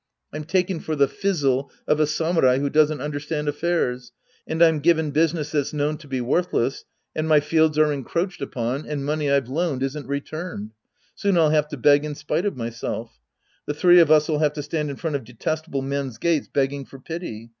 I'm ta ken for the fizzle of a samurai who doesn't understand affairs, and I'm given business that's known to be worthless, and my fields are encroached upon, and money I've loaned isn't returned. Soon I'll have to beg in spite of my self The three of us'll have to stand in front of detestable men's gates begging for pity.